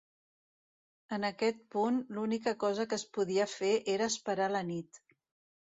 En aquest punt l'única cosa que es podia fer era esperar la nit.